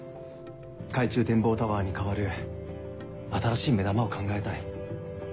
海中展望タワーに代わる新しい目玉を考えたい。